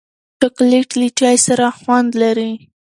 چاکلېټ له چای سره خوند لري.